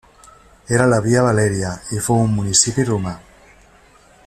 Era a la via Valèria i fou un municipi romà.